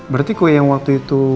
berarti kue yang waktu itu